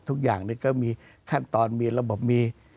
ทุกอย่างก็มีขั้นตอนมีระบบมี